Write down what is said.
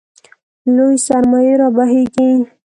لویې سرمایې رابهېږي.